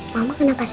mama kenapa sedih